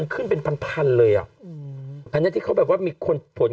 มันขึ้นเป็นพันเลยอ่ะอันเนี้ยที่เขาแบบว่ามีคนผล